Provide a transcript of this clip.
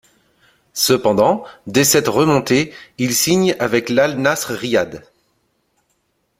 Cependant, dès cette remontée, il signe avec l'Al Nasr Riyad.